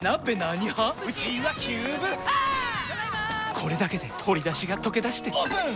これだけで鶏だしがとけだしてオープン！